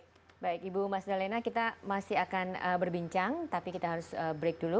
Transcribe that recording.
baik ibu mas dalena kita masih akan berbincang tapi kita harus break dulu